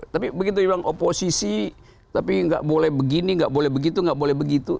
tapi begitu bilang oposisi tapi tidak boleh begini tidak boleh begitu tidak boleh begitu